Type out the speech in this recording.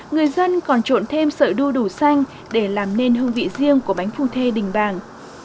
người dân còn trộn thêm sợi đu đủ xanh để làm nên hương vị riêng của bánh phu thê đình bàng